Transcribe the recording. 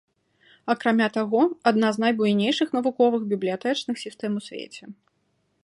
Акрамя таго, адна з найбуйнейшых навуковых бібліятэчных сістэм у свеце.